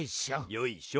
よいしょ。